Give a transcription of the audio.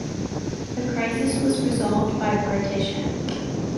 The crisis was resolved by partition.